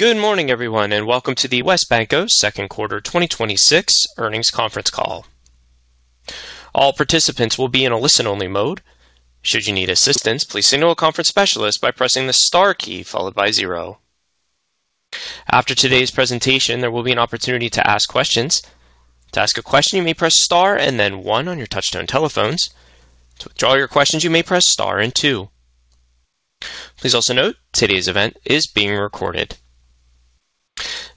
Good morning, everyone, and welcome to the WesBanco second quarter 2026 earnings conference call. All participants will be in a listen-only mode. Should you need assistance, please signal a conference specialist by pressing the star key followed by zero. After today's presentation, there will be an opportunity to ask questions. To ask a question, you may press star and then one on your touch-tone telephones. To withdraw your questions, you may press star and two. Please also note today's event is being recorded.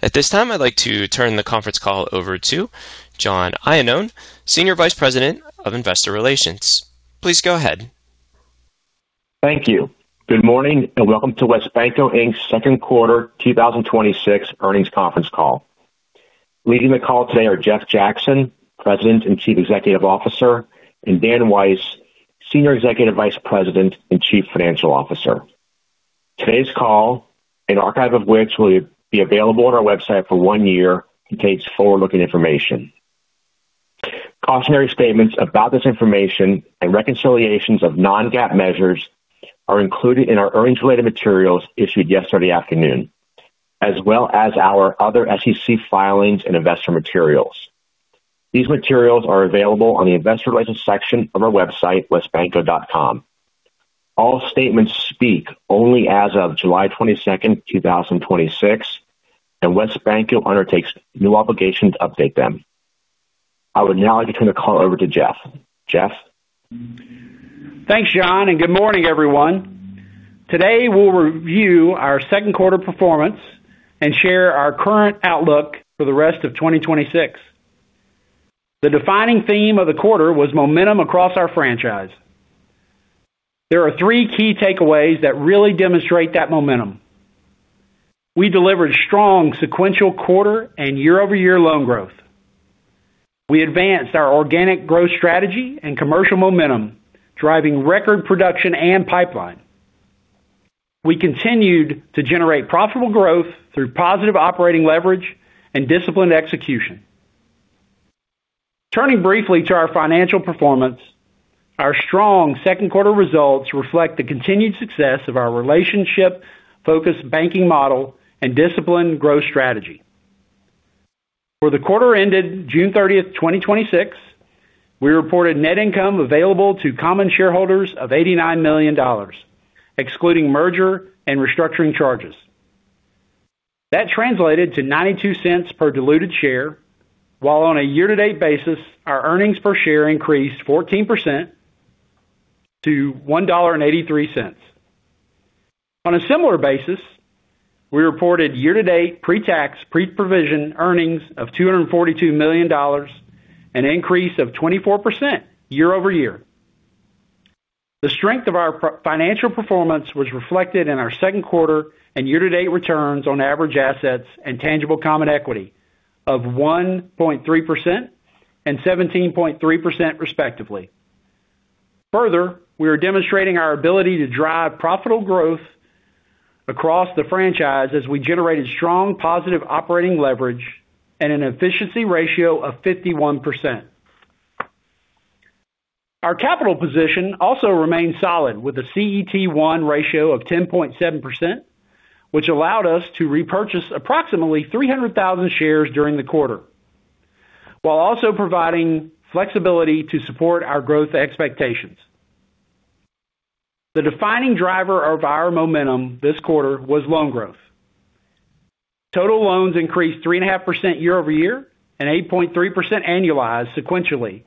At this time, I'd like to turn the conference call over to John Iannone, Senior Vice President of Investor Relations. Please go ahead. Thank you. Good morning, and welcome to WesBanco Inc's second quarter 2026 earnings conference call. Leading the call today are Jeff Jackson, President and Chief Executive Officer, and Dan Weiss, Senior Executive Vice President and Chief Financial Officer. Today's call, an archive of which will be available on our website for one year, contains forward-looking information. Cautionary statements about this information and reconciliations of non-GAAP measures are included in our earnings-related materials issued yesterday afternoon, as well as our other SEC filings and investor materials. These materials are available on the investor relations section of our website, wesbanco.com. All statements speak only as of July 22nd, 2026, and WesBanco undertakes no obligation to update them. I would now like to turn the call over to Jeff. Jeff? Thanks, John, and good morning, everyone. Today, we'll review our second quarter performance and share our current outlook for the rest of 2026. The defining theme of the quarter was momentum across our franchise. There are three key takeaways that really demonstrate that momentum. We delivered strong sequential quarter and year-over-year loan growth. We advanced our organic growth strategy and commercial momentum, driving record production and pipeline. We continued to generate profitable growth through positive operating leverage and disciplined execution. Turning briefly to our financial performance, our strong second quarter results reflect the continued success of our relationship focused banking model and disciplined growth strategy. For the quarter ended June 30th, 2026, we reported net income available to common shareholders of $89 million, excluding merger and restructuring charges. That translated to $0.92 per diluted share, while on a year-to-date basis, our earnings per share increased 14% to $1.83. On a similar basis, we reported year-to-date pre-tax, pre-provision earnings of $242 million, an increase of 24% year-over-year. The strength of our financial performance was reflected in our second quarter and year-to-date returns on average assets and tangible common equity of 1.3% and 17.3%, respectively. Further, we are demonstrating our ability to drive profitable growth across the franchise as we generated strong positive operating leverage and an efficiency ratio of 51%. Our capital position also remains solid with a CET1 ratio of 10.7%, which allowed us to repurchase approximately 300,000 shares during the quarter, while also providing flexibility to support our growth expectations. The defining driver of our momentum this quarter was loan growth. Total loans increased 3.5% year-over-year and 8.3% annualized sequentially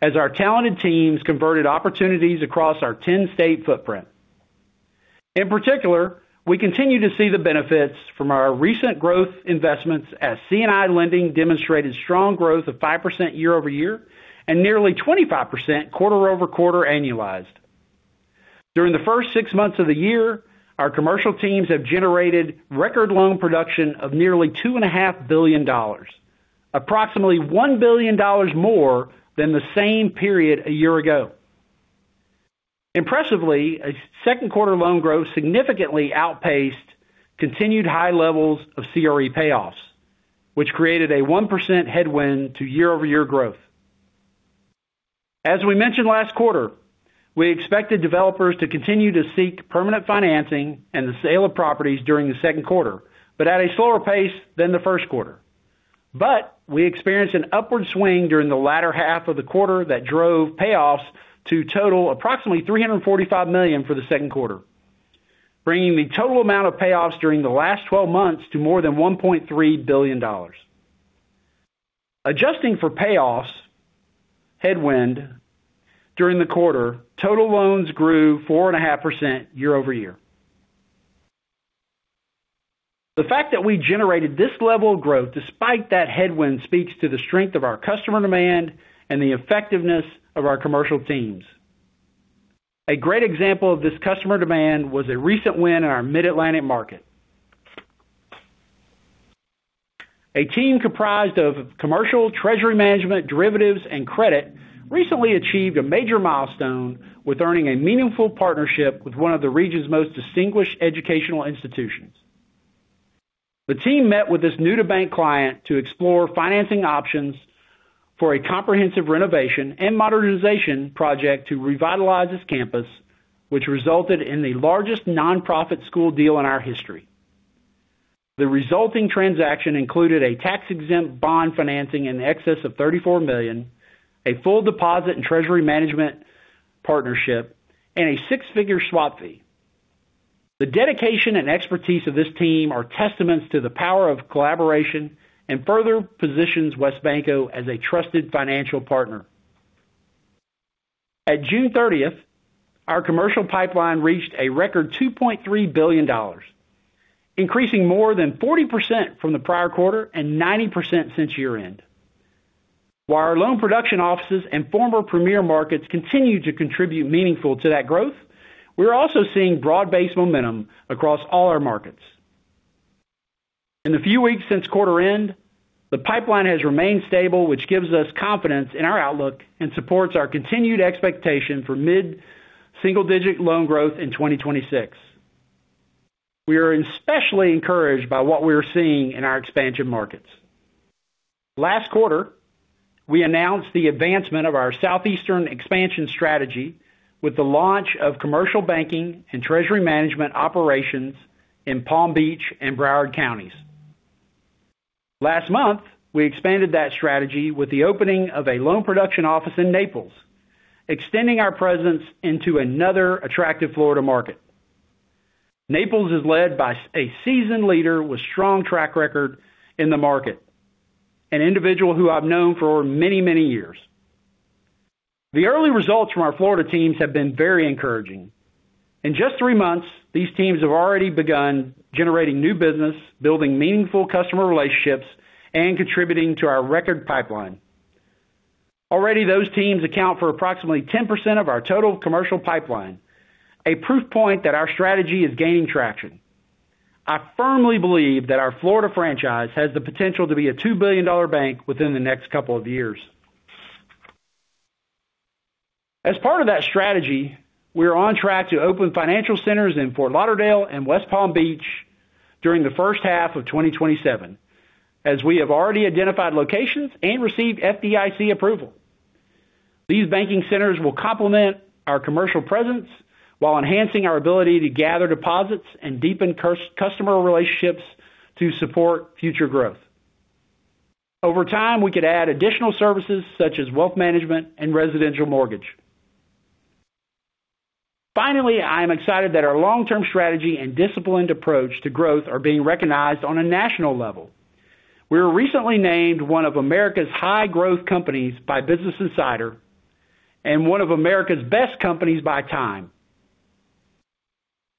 as our talented teams converted opportunities across our 10-state footprint. In particular, we continue to see the benefits from our recent growth investments as C&I lending demonstrated strong growth of 5% year-over-year and nearly 25% quarter-over-quarter annualized. During the first six months of the year, our commercial teams have generated record loan production of nearly $2.5 billion, approximately $1 billion more than the same period a year ago. Impressively, second quarter loan growth significantly outpaced continued high levels of CRE payoffs, which created a 1% headwind to year-over-year growth. As we mentioned last quarter, we expected developers to continue to seek permanent financing and the sale of properties during the second quarter, at a slower pace than the first quarter. We experienced an upward swing during the latter half of the quarter that drove payoffs to total approximately $345 million for the second quarter, bringing the total amount of payoffs during the last 12 months to more than $1.3 billion. Adjusting for payoffs headwind during the quarter, total loans grew 4.5% year-over-year. The fact that we generated this level of growth despite that headwind speaks to the strength of our customer demand and the effectiveness of our commercial teams. A great example of this customer demand was a recent win in our mid-Atlantic market. A team comprised of commercial treasury management, derivatives, and credit recently achieved a major milestone with earning a meaningful partnership with one of the region's most distinguished educational institutions. The team met with this new-to-bank client to explore financing options for a comprehensive renovation and modernization project to revitalize this campus, which resulted in the largest nonprofit school deal in our history. The resulting transaction included a tax-exempt bond financing in excess of $34 million, a full deposit and treasury management partnership, and a six-figure swap fee. The dedication and expertise of this team are testaments to the power of collaboration and further positions WesBanco as a trusted financial partner. At June 30th, our commercial pipeline reached a record $2.3 billion, increasing more than 40% from the prior quarter and 90% since year-end. While our loan production offices and former Premier markets continue to contribute meaningful to that growth, we're also seeing broad-based momentum across all our markets. In the few weeks since quarter end, the pipeline has remained stable, which gives us confidence in our outlook and supports our continued expectation for mid-single-digit loan growth in 2026. We are especially encouraged by what we are seeing in our expansion markets. Last quarter, we announced the advancement of our Southeastern expansion strategy with the launch of commercial banking and treasury management operations in Palm Beach and Broward counties. Last month, we expanded that strategy with the opening of a loan production office in Naples, extending our presence into another attractive Florida market. Naples is led by a seasoned leader with strong track record in the market, an individual who I've known for many, many years. The early results from our Florida teams have been very encouraging. In just three months, these teams have already begun generating new business, building meaningful customer relationships, and contributing to our record pipeline. Already, those teams account for approximately 10% of our total commercial pipeline, a proof point that our strategy is gaining traction. I firmly believe that our Florida franchise has the potential to be a $2 billion bank within the next couple of years. As part of that strategy, we are on track to open financial centers in Fort Lauderdale and West Palm Beach during the first half of 2027, as we have already identified locations and received FDIC approval. These banking centers will complement our commercial presence while enhancing our ability to gather deposits and deepen customer relationships to support future growth. Over time, we could add additional services such as wealth management and residential mortgage. Finally, I am excited that our long-term strategy and disciplined approach to growth are being recognized on a national level. We were recently named one of America’s High Growth Companies by Business Insider and one of America's Best Companies by TIME.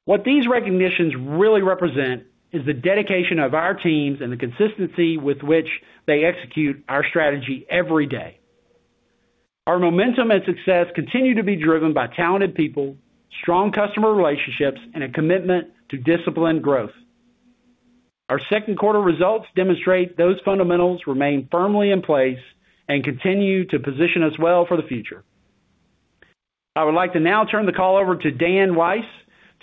What these recognitions really represent is the dedication of our teams and the consistency with which they execute our strategy every day. Our momentum and success continue to be driven by talented people, strong customer relationships, and a commitment to disciplined growth. Our second quarter results demonstrate those fundamentals remain firmly in place and continue to position us well for the future. I would like to now turn the call over to Dan Weiss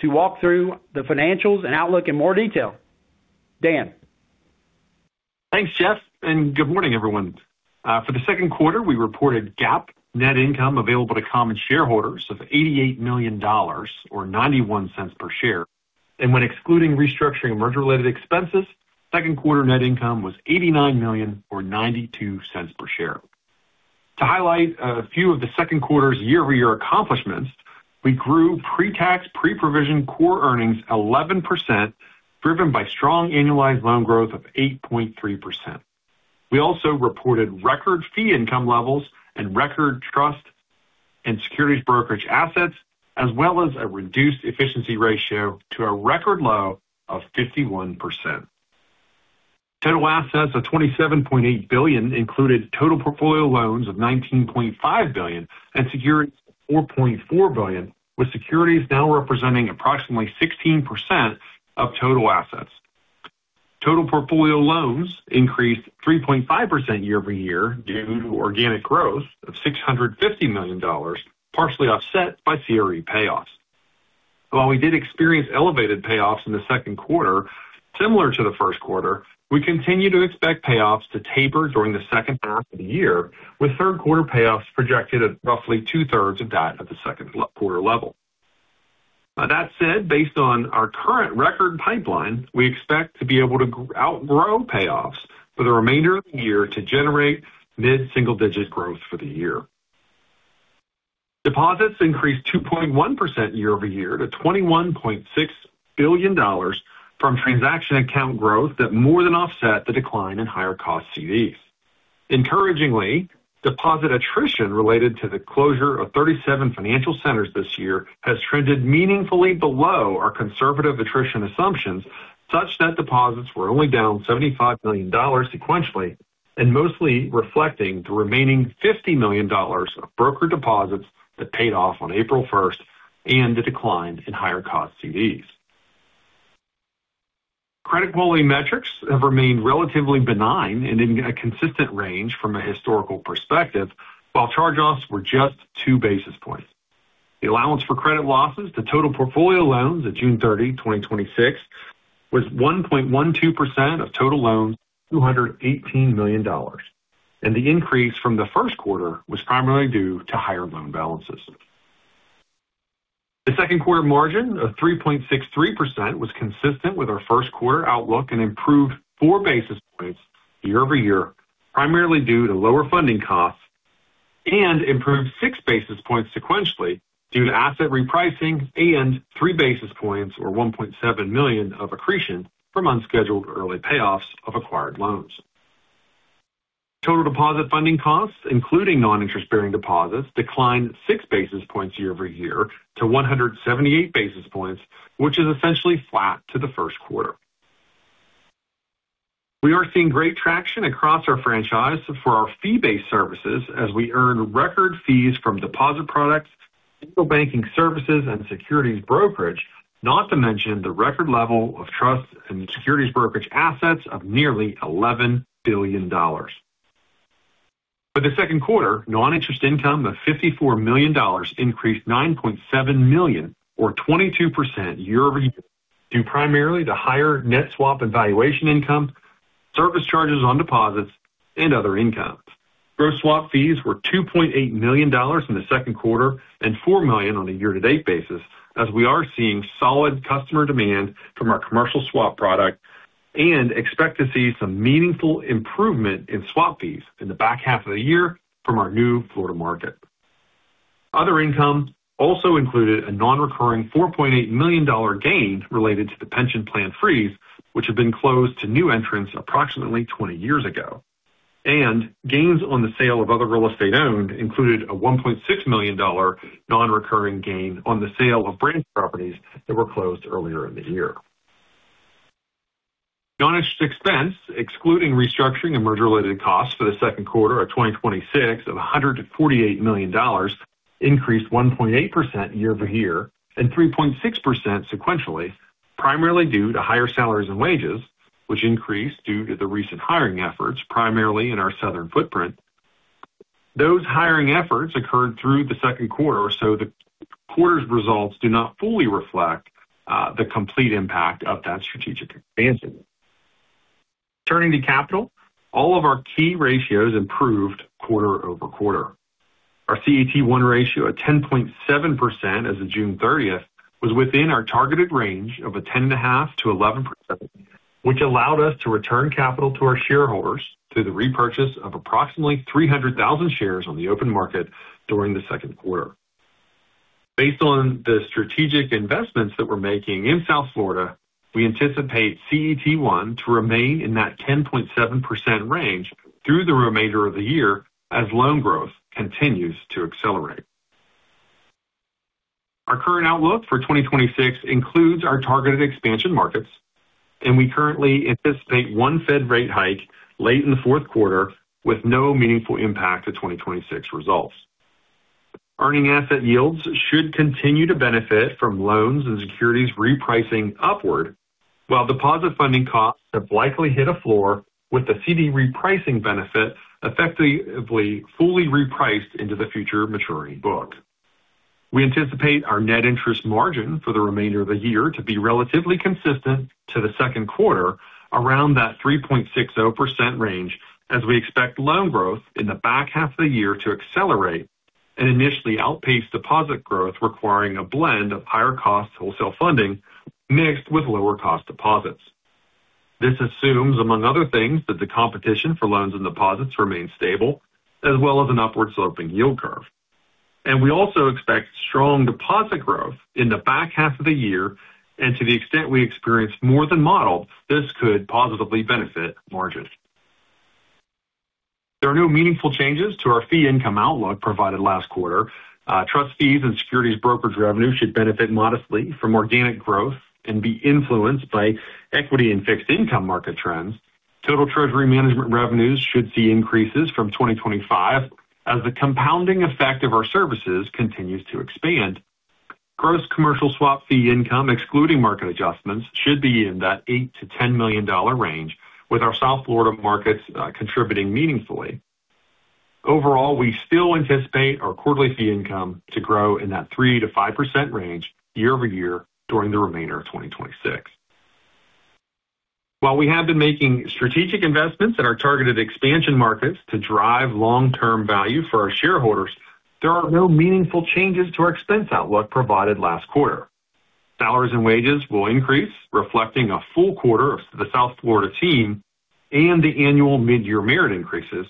to walk through the financials and outlook in more detail. Dan? Thanks, Jeff, and good morning, everyone. For the second quarter, we reported GAAP net income available to common shareholders of $88 million, or $0.91 per share. When excluding restructuring merger-related expenses, second quarter net income was $89 million or $0.92 per share. To highlight a few of the second quarter's year-over-year accomplishments, we grew pre-tax, pre-provision core earnings 11%, driven by strong annualized loan growth of 8.3%. We also reported record fee income levels and record trust and securities brokerage assets, as well as a reduced efficiency ratio to a record low of 51%. Total assets of $27.8 billion included total portfolio loans of $19.5 billion and securities, $4.4 billion, with securities now representing approximately 16% of total assets. Total portfolio loans increased 3.5% year-over-year due to organic growth of $650 million, partially offset by CRE payoffs. While we did experience elevated payoffs in the second quarter, similar to the first quarter, we continue to expect payoffs to taper during the second half of the year, with third quarter payoffs projected at roughly 2/3 of that at the second quarter level. That said, based on our current record pipeline, we expect to be able to outgrow payoffs for the remainder of the year to generate mid-single-digit growth for the year. Deposits increased 2.1% year-over-year to $21.6 billion from transaction account growth that more than offset the decline in higher cost CDs. Encouragingly, deposit attrition related to the closure of 37 financial centers this year has trended meaningfully below our conservative attrition assumptions, such that deposits were only down $75 million sequentially, and mostly reflecting the remaining $50 million of broker deposits that paid off on April 1st and the decline in higher cost CDs. Credit quality metrics have remained relatively benign and in a consistent range from a historical perspective, while charge-offs were just 2 basis points. The allowance for credit losses to total portfolio loans at June 30, 2026 was 1.12% of total loans, $218 million. The increase from the first quarter was primarily due to higher loan balances. The second quarter margin of 3.63% was consistent with our first quarter outlook and improved 4 basis points year-over-year, primarily due to lower funding costs, and improved 6 basis points sequentially due to asset repricing and 3 basis points or $1.7 million of accretion from unscheduled early payoffs of acquired loans. Total deposit funding costs, including non-interest-bearing deposits, declined 6 basis points year-over-year to 178 basis points, which is essentially flat to the first quarter. We are seeing great traction across our franchise for our fee-based services as we earn record fees from deposit products, digital banking services, and securities brokerage, not to mention the record level of trust and securities brokerage assets of nearly $11 billion. For the second quarter, non-interest income of $54 million increased $9.7 million, or 22% year-over-year, due primarily to higher net swap and valuation income, service charges on deposits, and other incomes. Gross swap fees were $2.8 million in the second quarter and $4 million on a year-to-date basis, as we are seeing solid customer demand from our commercial swap product and expect to see some meaningful improvement in swap fees in the back half of the year from our new Florida market. Other income also included a non-recurring $4.8 million gain related to the pension plan freeze, which had been closed to new entrants approximately 20 years ago. Gains on the sale of other real estate owned included a $1.6 million non-recurring gain on the sale of branch properties that were closed earlier in the year. Non-interest expense, excluding restructuring and merger related costs for the second quarter of 2026 of $148 million increased 1.8% year-over-year and 3.6% sequentially, primarily due to higher salaries and wages, which increased due to the recent hiring efforts, primarily in our southern footprint. Those hiring efforts occurred through the second quarter, so the quarter's results do not fully reflect the complete impact of that strategic expansion. Turning to capital, all of our key ratios improved quarter-over-quarter. Our CET1 ratio at 10.7% as of June 30th was within our targeted range of a 10.5%-11% which allowed us to return capital to our shareholders through the repurchase of approximately 300,000 shares on the open market during the second quarter. Based on the strategic investments that we're making in South Florida, we anticipate CET1 to remain in that 10.7% range through the remainder of the year as loan growth continues to accelerate. Our current outlook for 2026 includes our targeted expansion markets. We currently anticipate one Fed rate hike late in the fourth quarter with no meaningful impact to 2026 results. Earning asset yields should continue to benefit from loans and securities repricing upward, while deposit funding costs have likely hit a floor with the CD repricing benefit effectively fully repriced into the future maturing book. We anticipate our net interest margin for the remainder of the year to be relatively consistent to the second quarter around that 3.60% range, as we expect loan growth in the back half of the year to accelerate and initially outpace deposit growth, requiring a blend of higher cost wholesale funding mixed with lower cost deposits. This assumes, among other things, that the competition for loans and deposits remains stable, as well as an upward sloping yield curve. We also expect strong deposit growth in the back half of the year, and to the extent we experience more than modeled, this could positively benefit margins. There are no meaningful changes to our fee income outlook provided last quarter. Trust fees and securities brokerage revenue should benefit modestly from organic growth and be influenced by equity and fixed income market trends. Total treasury management revenues should see increases from 2025 as the compounding effect of our services continues to expand. Gross commercial swap fee income, excluding market adjustments, should be in that $8 million-$10 million range, with our South Florida markets contributing meaningfully. Overall, we still anticipate our quarterly fee income to grow in that 3%-5% range year-over-year during the remainder of 2026. While we have been making strategic investments in our targeted expansion markets to drive long-term value for our shareholders, there are no meaningful changes to our expense outlook provided last quarter. Salaries and wages will increase, reflecting a full quarter of the South Florida team and the annual mid-year merit increases.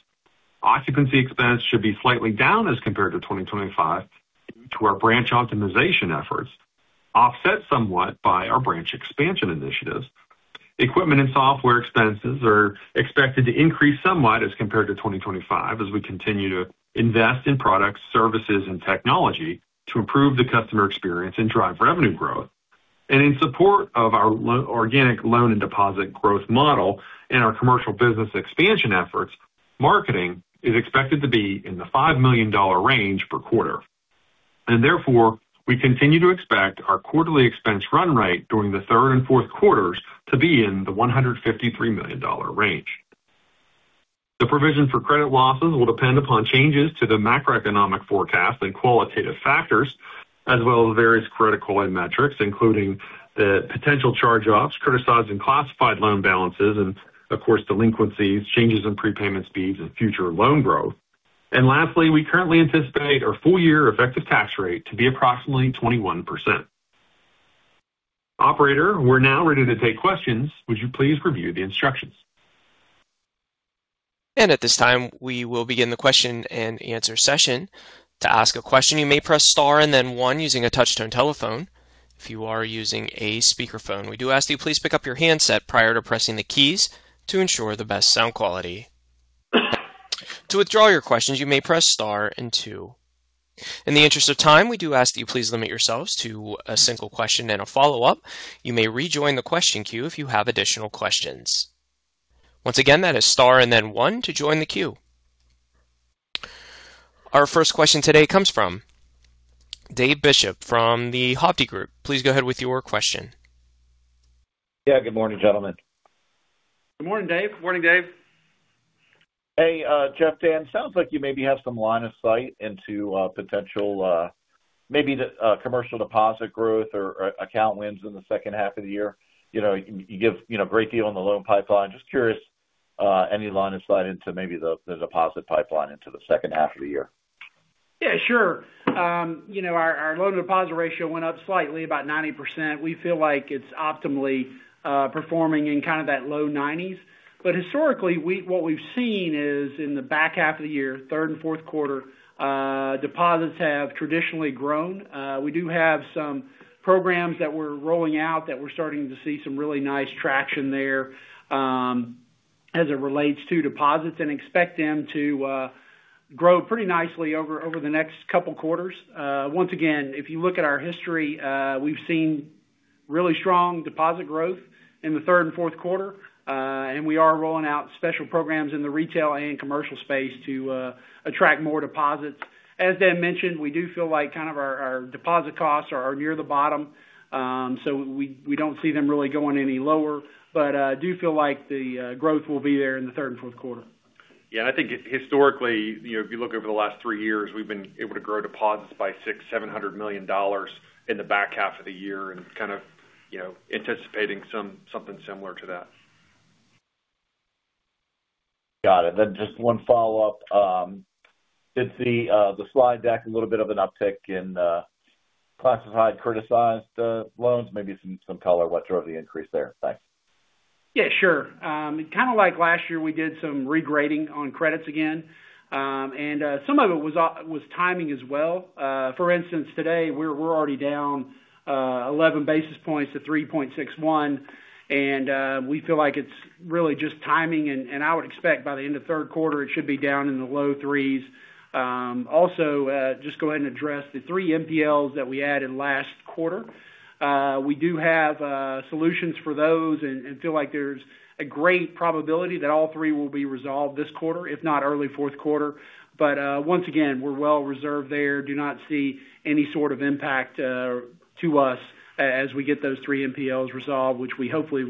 Occupancy expense should be slightly down as compared to 2025 due to our branch optimization efforts, offset somewhat by our branch expansion initiatives. Equipment and software expenses are expected to increase somewhat as compared to 2025 as we continue to invest in products, services, and technology to improve the customer experience and drive revenue growth. In support of our organic loan and deposit growth model and our commercial business expansion efforts, marketing is expected to be in the $5 million range per quarter. Therefore, we continue to expect our quarterly expense run rate during the third and fourth quarters to be in the $153 million range. The provision for credit losses will depend upon changes to the macroeconomic forecast and qualitative factors, as well as various credit quality metrics, including the potential charge-offs, criticized and classified loan balances, and of course, delinquencies, changes in prepayment speeds and future loan growth. Lastly, we currently anticipate our full year effective tax rate to be approximately 21%. Operator, we're now ready to take questions. Would you please review the instructions? At this time, we will begin the question-and-answer session. To ask a question, you may press star and then one using a touch-tone telephone. If you are using a speakerphone, we do ask that you please pick up your handset prior to pressing the keys to ensure the best sound quality. To withdraw your questions, you may press star and two. In the interest of time, we do ask that you please limit yourselves to a single question and a follow-up. You may rejoin the question queue if you have additional questions. Once again, that is star and then one to join the queue. Our first question today comes from Dave Bishop from Hovde Group. Please go ahead with your question. Good morning, gentlemen. Good morning, Dave. Good morning, Dave. Hey, Jeff, Dan, sounds like you maybe have some line of sight into potential, maybe the commercial deposit growth or account wins in the second half of the year. You give a great deal on the loan pipeline. Just curious, any line of sight into maybe the deposit pipeline into the second half of the year? Yeah, sure. Our loan deposit ratio went up slightly, about 90%. We feel like it's optimally performing in kind of that low 90s. Historically, what we've seen is in the back half of the year, third and fourth quarter, deposits have traditionally grown. We do have some programs that we're rolling out that we're starting to see some really nice traction there as it relates to deposits and expect them to grow pretty nicely over the next couple quarters. Once again, if you look at our history, we've seen really strong deposit growth in the third and fourth quarter. We are rolling out special programs in the retail and commercial space to attract more deposits. As Dan mentioned, we do feel like kind of our deposit costs are near the bottom. We don't see them really going any lower. I do feel like the growth will be there in the third and fourth quarter. I think historically, if you look over the last three years, we've been able to grow deposits by $600 million, $700 million in the back half of the year and kind of anticipating something similar to that. Got it. Just one follow-up. Did the slide deck a little bit of an uptick in classified, criticized loans? Maybe some color what drove the increase there. Thanks. Yeah, sure. Kind of like last year, we did some regrading on credits again. Some of it was timing as well. For instance, today, we're already down 11 basis points to 3.61. We feel like it's really just timing, and I would expect by the end of third quarter, it should be down in the low 3s. Also, just go ahead and address the three NPLs that we added last quarter. We do have solutions for those and feel like there's a great probability that all three will be resolved this quarter, if not early fourth quarter. Once again, we're well reserved there. Do not see any sort of impact to us as we get those three NPLs resolved, which we hopefully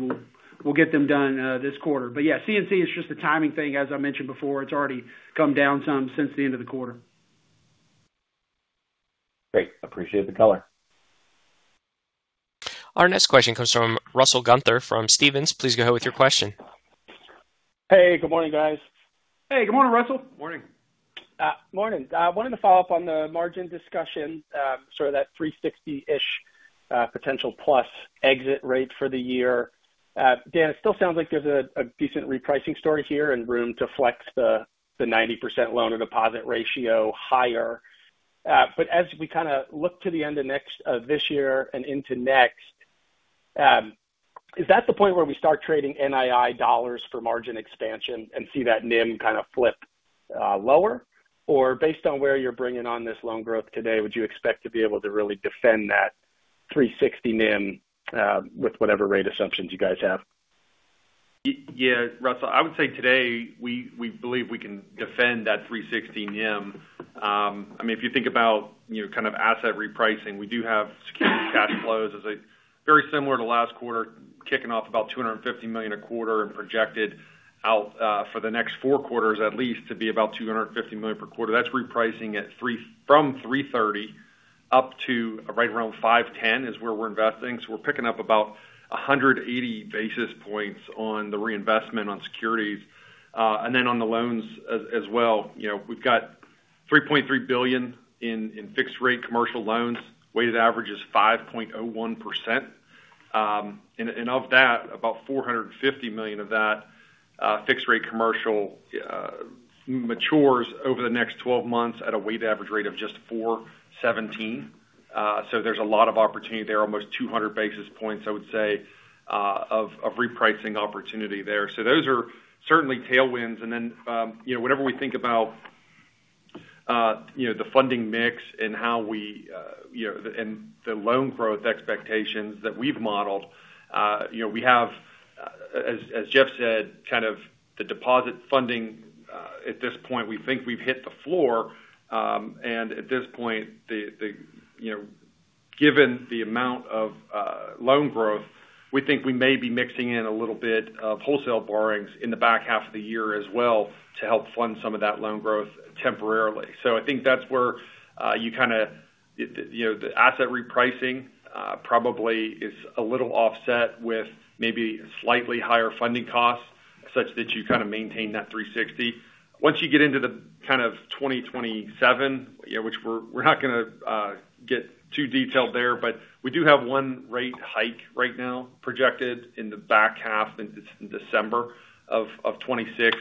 will get them done this quarter. Yeah, C&C is just a timing thing. As I mentioned before, it's already come down some since the end of the quarter. Great. Appreciate the color. Our next question comes from Russell Gunther from Stephens. Please go ahead with your question. Hey, good morning, guys. Hey, good morning, Russell. Morning. Morning. I wanted to follow up on the margin discussion, sort of that 360-ish potential plus exit rate for the year. Dan, it still sounds like there's a decent repricing story here and room to flex the 90% loan or deposit ratio higher. As we kind of look to the end of this year and into next, is that the point where we start trading NII dollars for margin expansion and see that NIM kind of flip lower? Or based on where you're bringing on this loan growth today, would you expect to be able to really defend that 360 NIM with whatever rate assumptions you guys have? Russell, I would say today, we believe we can defend that 360 NIM. If you think about kind of asset repricing, we do have securities cash flows as a very similar to last quarter, kicking off about $250 million a quarter and projected out for the next four quarters at least to be about $250 million per quarter. That's repricing from 330 up to right around 510 is where we're investing. We're picking up about 180 basis points on the reinvestment on securities. On the loans as well, we've got $3.3 billion in fixed rate commercial loans, weighted average is 5.01%. Of that, about $450 million of that fixed rate commercial matures over the next 12 months at a weighted average rate of just 417. There's a lot of opportunity there, almost 200 basis points, I would say, of repricing opportunity there. Those are certainly tailwinds. Whenever we think about the funding mix and the loan growth expectations that we've modeled, we have, as Jeff said, kind of the deposit funding at this point, we think we've hit the floor. At this point, given the amount of loan growth, we think we may be mixing in a little bit of wholesale borrowings in the back half of the year as well to help fund some of that loan growth temporarily. I think that's where the asset repricing probably is a little offset with maybe slightly higher funding costs, such that you maintain that 360. Once you get into the kind of 2027, which we're not going to get too detailed there, but we do have one rate hike right now projected in the back half in December of 2026,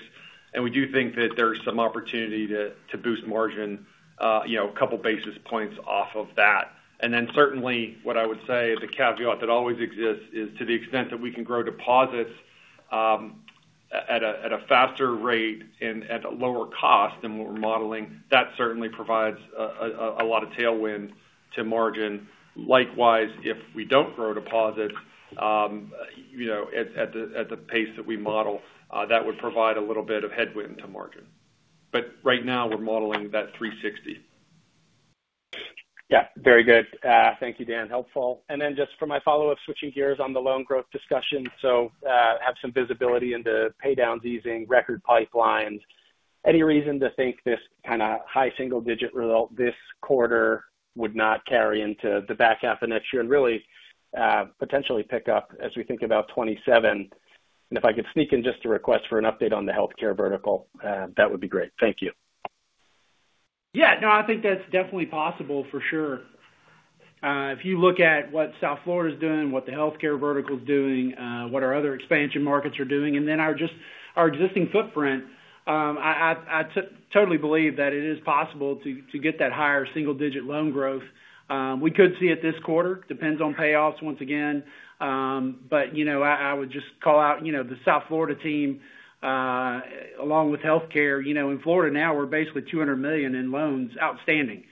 and we do think that there's some opportunity to boost margin a couple of basis points off of that. Certainly what I would say, the caveat that always exists is to the extent that we can grow deposits at a faster rate and at a lower cost than what we're modeling, that certainly provides a lot of tailwind to margin. Likewise, if we don't grow deposits at the pace that we model, that would provide a little bit of headwind to margin. Right now, we're modeling that 360. Yeah, very good. Thank you, Dan. Helpful. Just for my follow-up, switching gears on the loan growth discussion. Have some visibility into paydowns easing, record pipelines. Any reason to think this kind of high single-digit result this quarter would not carry into the back half of next year and really, potentially pick up as we think about 2027? If I could sneak in just a request for an update on the healthcare vertical, that would be great. Thank you. No, I think that's definitely possible, for sure. If you look at what South Florida's doing, what the healthcare vertical's doing, what our other expansion markets are doing, and then our existing footprint, I totally believe that it is possible to get that higher single-digit loan growth. We could see it this quarter, depends on payoffs once again. I would just call out the South Florida team, along with healthcare. In Florida now, we're basically $200 million in loans outstanding.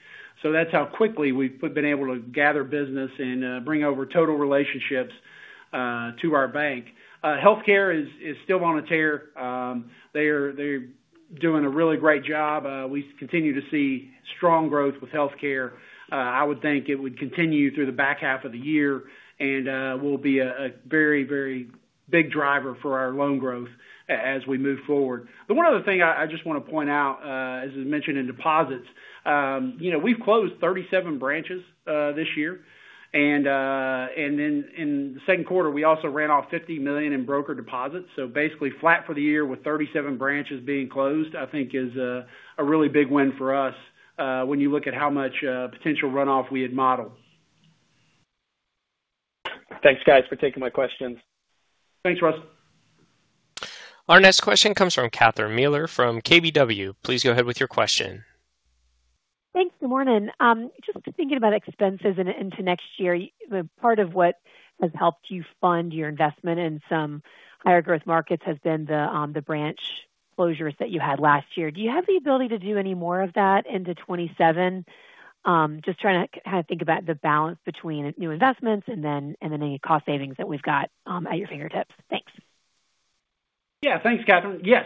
That's how quickly we've been able to gather business and bring over total relationships to our bank. Healthcare is still on a tear. They're doing a really great job. We continue to see strong growth with healthcare. I would think it would continue through the back half of the year and will be a very, very big driver for our loan growth as we move forward. One other thing I just want to point out, as was mentioned in deposits. We've closed 37 branches this year. In the second quarter, we also ran off $50 million in broker deposits. Basically flat for the year with 37 branches being closed, I think is a really big win for us when you look at how much potential runoff we had modeled. Thanks, guys, for taking my questions. Thanks, Russ. Our next question comes from Catherine Mealor from KBW. Please go ahead with your question. Thanks. Good morning. Just thinking about expenses into next year, part of what has helped you fund your investment in some higher growth markets has been the branch closures that you had last year. Do you have the ability to do any more of that into 2027? Just trying to think about the balance between new investments and then any cost savings that we've got at your fingertips. Thanks. Yeah. Thanks, Catherine. Yes.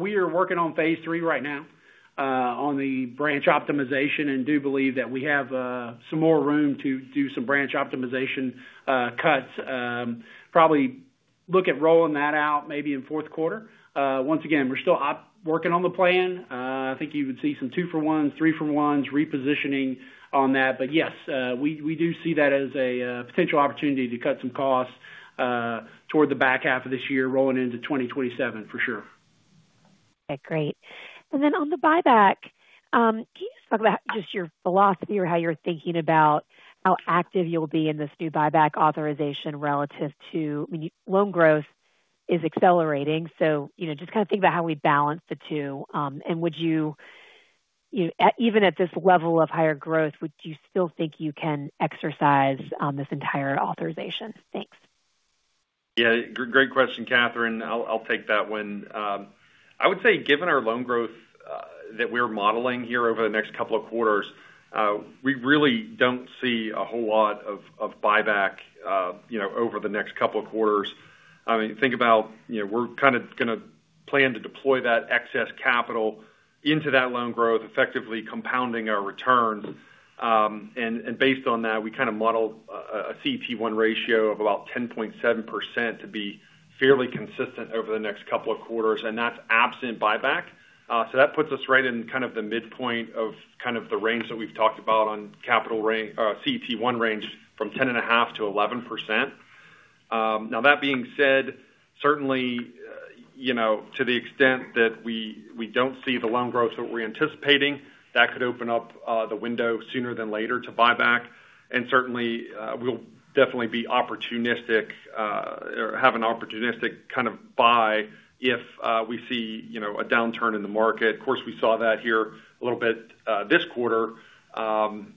We are working on Phase 3 right now on the branch optimization and do believe that we have some more room to do some branch optimization cuts. Probably look at rolling that out maybe in fourth quarter. Once again, we're still working on the plan. I think you would see some two-for-ones, three-for-ones repositioning on that. Yes, we do see that as a potential opportunity to cut some costs toward the back half of this year rolling into 2027 for sure. Okay, great. On the buyback, can you just talk about just your philosophy or how you're thinking about how active you'll be in this new buyback authorization relative to when loan growth is accelerating. Just kind of think about how we balance the two. Even at this level of higher growth, would you still think you can exercise this entire authorization? Thanks. Great question, Catherine. I'll take that one. I would say, given our loan growth that we're modeling here over the next couple of quarters, we really don't see a whole lot of buyback over the next couple of quarters. Think about, we're kind of going to plan to deploy that excess capital into that loan growth, effectively compounding our returns. Based on that, we kind of modeled a CET1 ratio of about 10.7% to be fairly consistent over the next couple of quarters, and that's absent buyback. That puts us right in kind of the midpoint of the range that we've talked about on CET1 range from 10.5%-11%. That being said, certainly, to the extent that we don't see the loan growth that we're anticipating, that could open up the window sooner than later to buyback. Certainly, we'll definitely be opportunistic, or have an opportunistic kind of buy if we see a downturn in the market. Of course, we saw that here a little bit, this quarter, and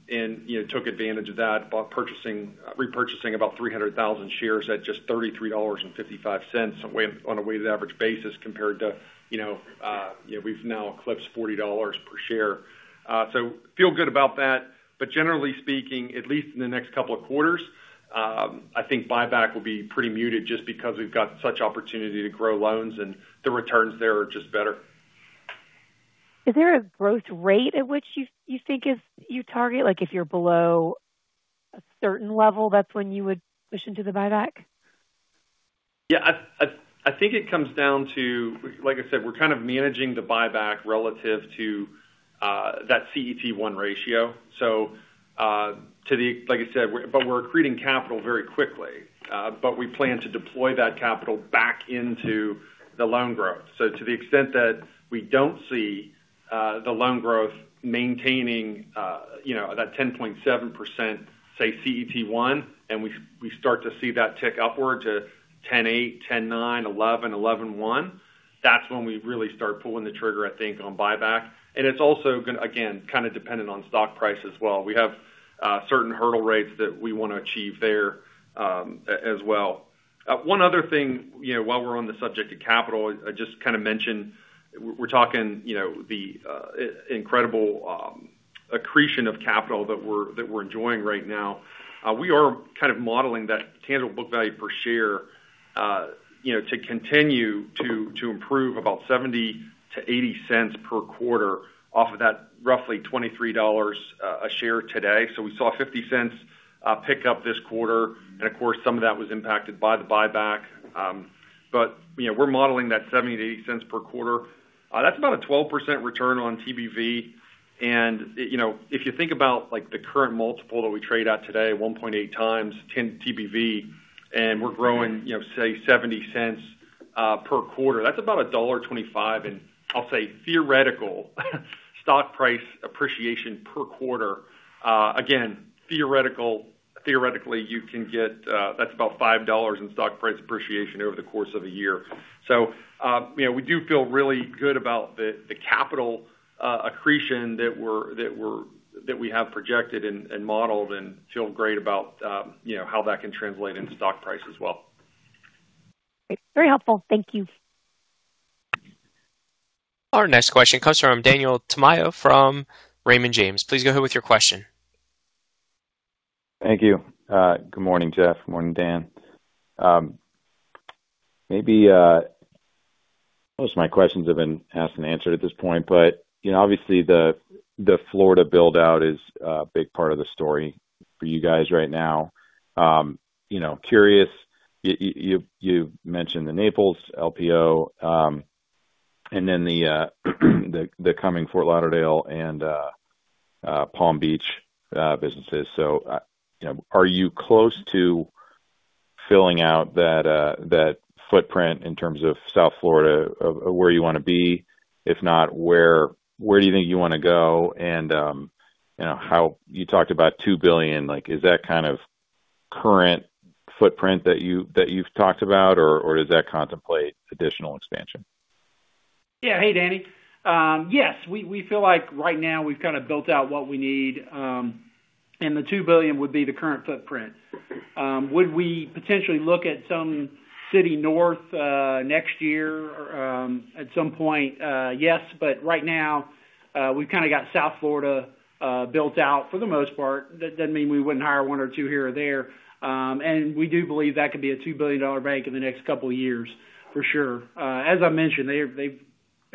took advantage of that by repurchasing about 300,000 shares at just $33.55 on a weighted average basis compared to, we've now eclipsed $40 per share. Feel good about that. Generally speaking, at least in the next couple of quarters, I think buyback will be pretty muted just because we've got such opportunity to grow loans and the returns there are just better. Is there a growth rate at which you think you target? Like if you're below a certain level, that's when you would push into the buyback? I think it comes down to, like I said, we're kind of managing the buyback relative to that CET1 ratio. Like I said, we're accreting capital very quickly, but we plan to deploy that capital back into the loan growth. To the extent that we don't see the loan growth maintaining that 10.7%, say, CET1, and we start to see that tick upwards to 10.8%, 10.9%, 11%, 11.1%, that's when we really start pulling the trigger, I think, on buyback. It's also, again, kind of dependent on stock price as well. We have certain hurdle rates that we want to achieve there as well. One other thing while we're on the subject of capital, I just kind of mentioned, we're talking the incredible accretion of capital that we're enjoying right now. We are kind of modeling that tangible book value per share to continue to improve about $0.70-$0.80 per quarter off of that roughly $23 a share today. We saw $0.50 pick up this quarter, and of course, some of that was impacted by the buyback. We're modeling that $0.70-$0.80 per quarter. That's about a 12% return on TBV. If you think about the current multiple that we trade at today, 1.8x 10 TBV, and we're growing, say, $0.70 per quarter, that's about $1.25 in, I'll say, theoretical stock price appreciation per quarter. Again, theoretically, you can get. That's about $5 in stock price appreciation over the course of a year. We do feel really good about the capital accretion that we have projected and modeled and feel great about how that can translate into stock price as well. Great. Very helpful. Thank you. Our next question comes from Daniel Tamayo from Raymond James. Please go ahead with your question. Thank you. Good morning, Jeff. Morning, Dan. Most of my questions have been asked and answered at this point, but obviously the Florida build-out is a big part of the story for you guys right now. Curious, you mentioned the Naples LPO, and then the coming Fort Lauderdale and Palm Beach businesses. Are you close to filling out that footprint in terms of South Florida of where you want to be? If not, where do you think you want to go? You talked about $2 billion. Is that kind of current footprint that you've talked about, or does that contemplate additional expansion? Yeah. Hey, Danny. Yes. We feel like right now we've kind of built out what we need. The $2 billion would be the current footprint. Would we potentially look at some city north next year or at some point? Yes. Right now, we've kind of got South Florida built out for the most part. That doesn't mean we wouldn't hire one or two here or there. We do believe that could be a $2 billion bank in the next couple of years, for sure. As I mentioned,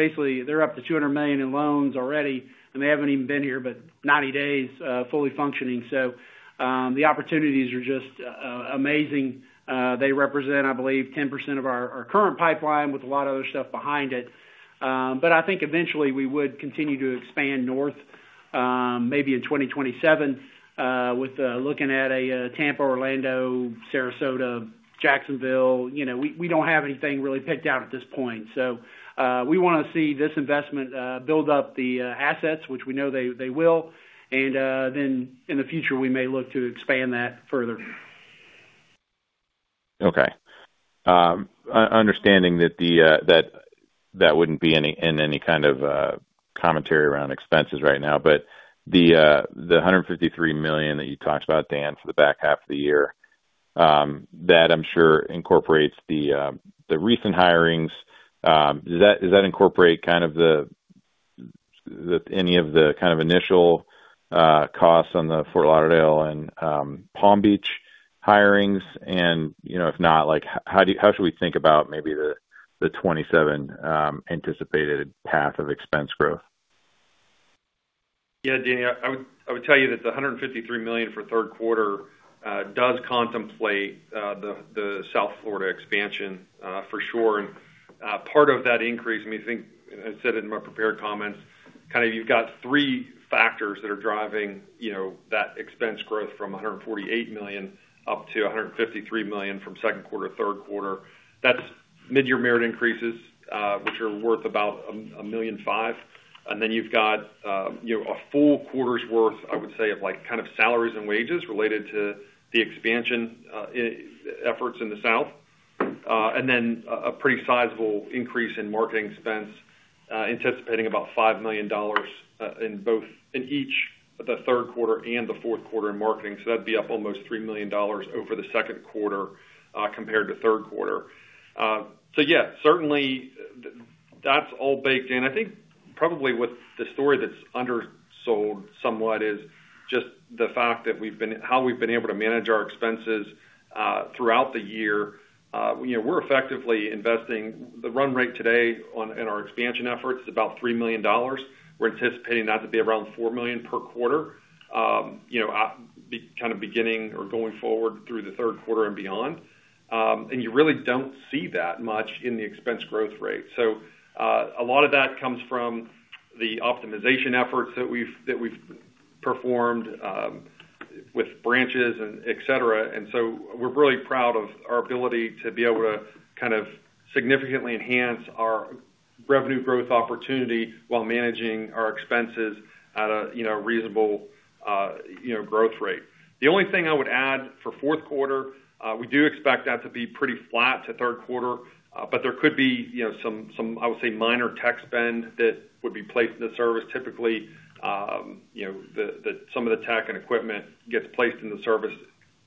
basically, they're up to $200 million in loans already, and they haven't even been here but 90 days fully functioning. The opportunities are just amazing. They represent, I believe, 10% of our current pipeline with a lot of other stuff behind it. I think eventually we would continue to expand north, maybe in 2027, with looking at Tampa, Orlando, Sarasota, Jacksonville. We don't have anything really picked out at this point. We want to see this investment build up the assets, which we know they will, and then in the future, we may look to expand that further. Okay. Understanding that that wouldn't be in any kind of commentary around expenses right now. The $153 million that you talked about, Dan, for the back half of the year, that I'm sure incorporates the recent hirings. Does that incorporate any of the kind of initial costs on the Fort Lauderdale and Palm Beach hirings? If not, how should we think about maybe the 2027 anticipated path of expense growth? Yeah, Danny. I would tell you that the $153 million for third quarter does contemplate the South Florida expansion, for sure. Part of that increase, I said it in my prepared comments, kind of you've got three factors that are driving that expense growth from $148 million up to $153 million from second quarter to third quarter. That's mid-year merit increases, which are worth about $1.5 million. Then you've got a full quarter's worth, I would say, of kind of salaries and wages related to the expansion efforts in the south, and then a pretty sizable increase in marketing expense, anticipating about $5 million in each the third quarter and the fourth quarter in marketing. That'd be up almost $3 million over the second quarter compared to third quarter. Yeah, certainly. That's all baked in. I think probably what the story that's undersold somewhat is just the fact that how we've been able to manage our expenses throughout the year. We're effectively investing the run rate today in our expansion efforts is about $3 million. We're anticipating that to be around $4 million per quarter, beginning or going forward through the third quarter and beyond. You really don't see that much in the expense growth rate. A lot of that comes from the optimization efforts that we've performed with branches, and et cetera. We're really proud of our ability to be able to significantly enhance our revenue growth opportunity while managing our expenses at a reasonable growth rate. The only thing I would add for fourth quarter, we do expect that to be pretty flat to third quarter. There could be some, I would say, minor tech spend that would be placed in the service. Typically, some of the tech and equipment gets placed in the service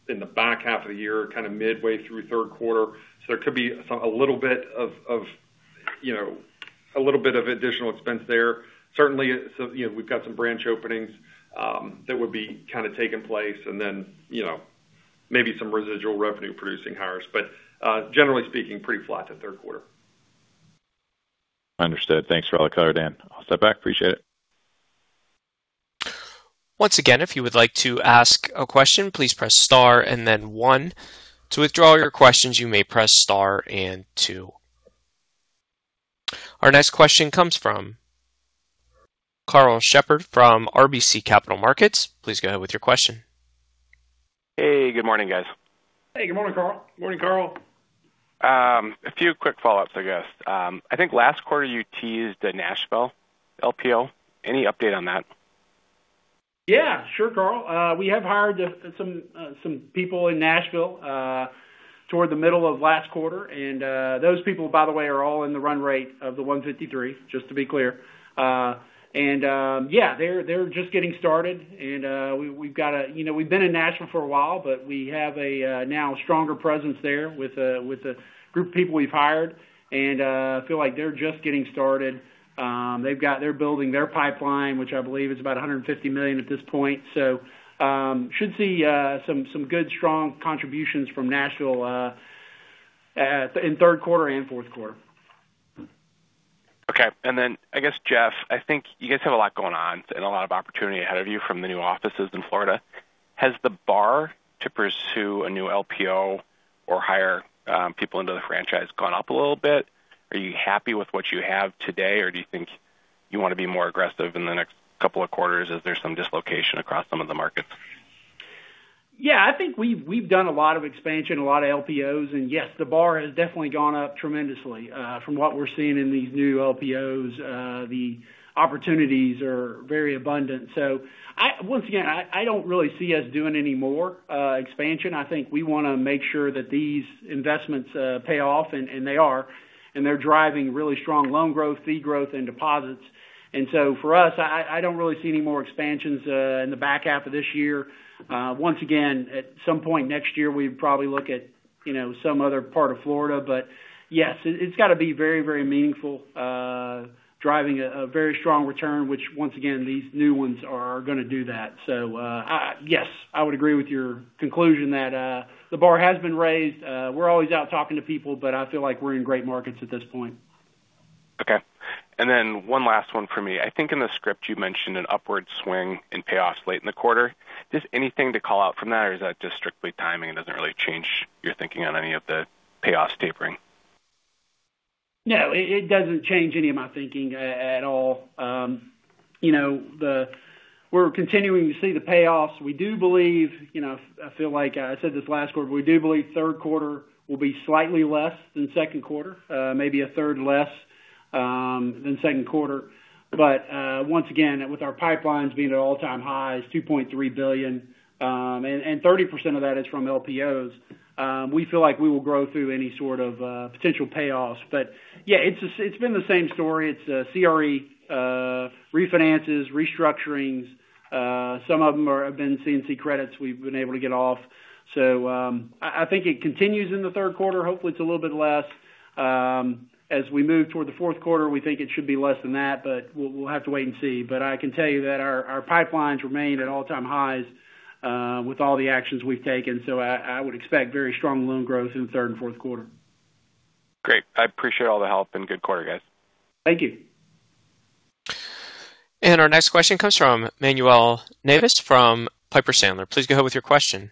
in the back half of the year, kind of midway through third quarter. There could be a little bit of additional expense there. Certainly, we've got some branch openings that would be taking place and then maybe some residual revenue producing hires. Generally speaking, pretty flat to third quarter. Understood. Thanks for all the color, Dan. I'll step back. Appreciate it. Once again, if you would like to ask a question, please press star and then one. To withdraw your questions, you may press star and two. Our next question comes from Karl Shepard from RBC Capital Markets. Please go ahead with your question. Hey, good morning, guys. Hey, good morning, Karl. A few quick follow-ups, I guess. I think last quarter you teased a Nashville LPO. Any update on that? Yeah, sure, Karl. We have hired some people in Nashville toward the middle of last quarter. Those people, by the way, are all in the run rate of the $153 million, just to be clear. Yeah, they're just getting started. We've been in Nashville for a while, but we have now a stronger presence there with a group of people we've hired, and I feel like they're just getting started. They're building their pipeline, which I believe is about $150 million at this point. Should see some good, strong contributions from Nashville in third quarter and fourth quarter. Okay. I guess, Jeff, I think you guys have a lot going on and a lot of opportunity ahead of you from the new offices in Florida. Has the bar to pursue a new LPO or hire people into the franchise gone up a little bit? Are you happy with what you have today, or do you think you want to be more aggressive in the next couple of quarters as there's some dislocation across some of the markets? Yeah, I think we've done a lot of expansion, a lot of LPOs, and yes, the bar has definitely gone up tremendously. From what we're seeing in these new LPOs, the opportunities are very abundant. Once again, I don't really see us doing any more expansion. I think we want to make sure that these investments pay off, and they are, and they're driving really strong loan growth, fee growth, and deposits. For us, I don't really see any more expansions in the back half of this year. Once again, at some point next year, we'd probably look at some other part of Florida. Yes, it's got to be very, very meaningful, driving a very strong return, which once again, these new ones are going to do that. Yes, I would agree with your conclusion that the bar has been raised. We're always out talking to people, but I feel like we're in great markets at this point. Okay. One last one for me. I think in the script you mentioned an upward swing in payoffs late in the quarter. Just anything to call out from that, or is that just strictly timing and doesn't really change your thinking on any of the payoffs tapering? No, it doesn't change any of my thinking at all. We're continuing to see the payoffs. I feel like I said this last quarter, but we do believe third quarter will be slightly less than second quarter, maybe 1/3 less than second quarter. Once again, with our pipelines being at all-time highs, $2.3 billion, and 30% of that is from LPOs, we feel like we will grow through any sort of potential payoffs. Yeah, it's been the same story. It's CRE refinances, restructurings. Some of them have been C&I credits we've been able to get off. I think it continues in the third quarter. Hopefully, it's a little bit less. As we move toward the fourth quarter, we think it should be less than that, but we'll have to wait and see. I can tell you that our pipelines remain at all-time highs with all the actions we've taken. I would expect very strong loan growth in the third and fourth quarter. Great. I appreciate all the help and good quarter, guys. Thank you. Our next question comes from Manuel Navas from Piper Sandler. Please go ahead with your question.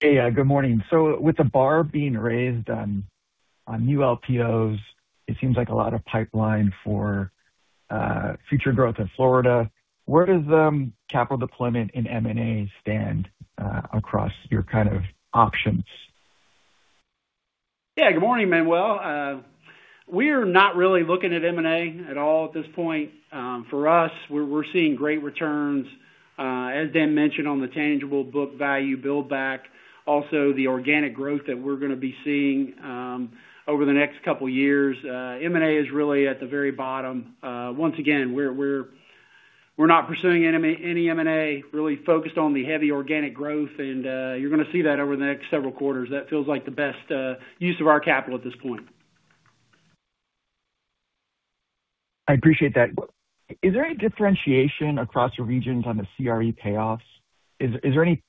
Hey. Good morning. With the bar being raised on new LPOs, it seems like a lot of pipeline for future growth in Florida. Where does capital deployment in M&A stand across your kind of options? Yeah. Good morning, Manuel. We are not really looking at M&A at all at this point. For us, we're seeing great returns, as Dan mentioned, on the tangible book value build back. Also, the organic growth that we're going to be seeing over the next couple of years. M&A is really at the very bottom. Once again, we're not pursuing any M&A. Really focused on the heavy organic growth, and you're going to see that over the next several quarters. That feels like the best use of our capital at this point. I appreciate that. Is there any differentiation across your regions on the CRE payoffs? Is there any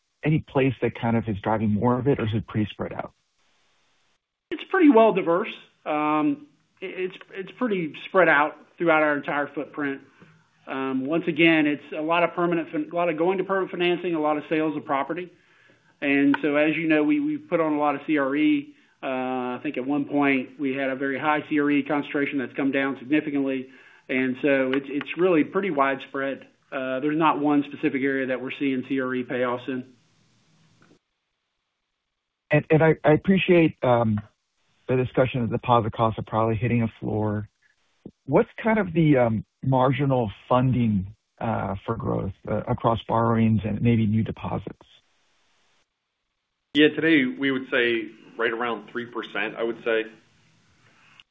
place that kind of is driving more of it, or is it pretty spread out? It's pretty well diverse. It's pretty spread out throughout our entire footprint. Once again, it's a lot of going to permanent financing, a lot of sales of property. As you know, we've put on a lot of CRE. I think at one point, we had a very high CRE concentration that's come down significantly. It's really pretty widespread. There's not one specific area that we're seeing CRE payoffs in. I appreciate the discussion of deposit costs are probably hitting a floor. What's kind of the marginal funding for growth across borrowings and maybe new deposits? Yeah, today we would say right around 3%, I would say.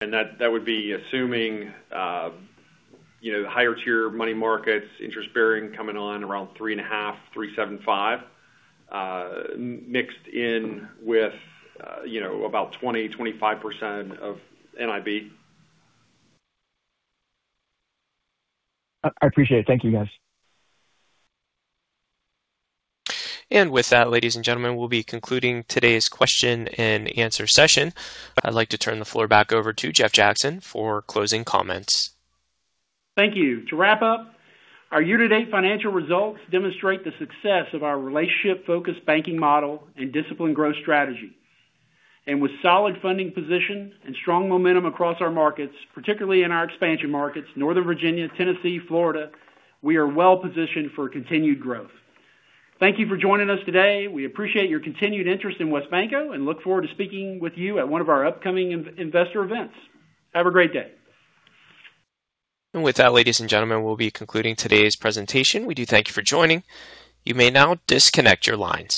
That would be assuming the higher tier money markets, interest bearing coming on around 3.5%, 3.75%, mixed in with about 20%, 25% of NIB. I appreciate it. Thank you, guys. With that, ladies and gentlemen, we'll be concluding today's question-and-answer session. I'd like to turn the floor back over to Jeff Jackson for closing comments. Thank you. To wrap up, our year-to-date financial results demonstrate the success of our relationship-focused banking model and disciplined growth strategy. With solid funding position and strong momentum across our markets, particularly in our expansion markets, Northern Virginia, Tennessee, Florida, we are well-positioned for continued growth. Thank you for joining us today. We appreciate your continued interest in WesBanco and look forward to speaking with you at one of our upcoming investor events. Have a great day. With that, ladies and gentlemen, we'll be concluding today's presentation. We do thank you for joining. You may now disconnect your line.